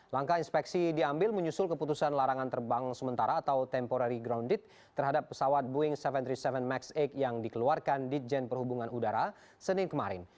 langkah inspeksi diambil menyusul keputusan larangan terbang sementara atau temporary grounded terhadap pesawat boeing tujuh ratus tiga puluh tujuh max delapan yang dikeluarkan di jen perhubungan udara senin kemarin